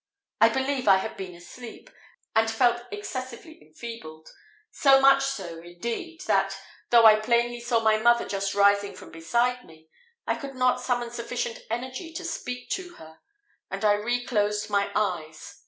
I believe I had been asleep, and felt excessively enfeebled so much so, indeed, that, though I plainly saw my mother just rising from beside me, I could not summon sufficient energy to speak to her, and I reclosed my eyes.